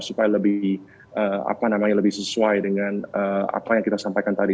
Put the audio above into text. supaya lebih sesuai dengan apa yang kita sampaikan tadi